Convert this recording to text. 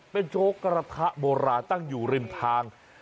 เป็นโชคกระทะโบราณตั้งอยู่ริมทาง